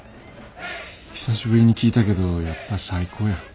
久しぶりに聴いたけどやっぱ最高や。